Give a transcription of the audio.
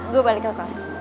gue balik ke kelas